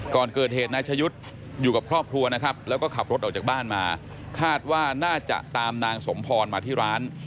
ก่อนเกิดเหตุนายชะยุทธ์อยู่กับครอบครัวนะครับแล้วก็ขับรถออกจากบ้านมาคาดว่าน่าจะตามนางสมพรมาที่ร้าน